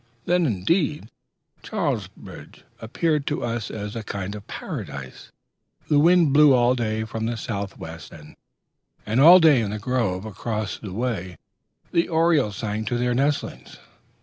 Then, indeed, Charlesbridge appeared to us a kind of Paradise. The wind blew all day from the southwest, and all day in the grove across the way the orioles sang to their nestlings....